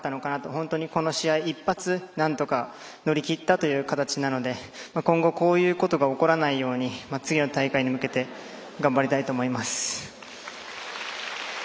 本当に、この試合一発なんとか乗り切ったという形なので今後、こういうことが起こらないように次の大会に向けて頑張りたいと思います。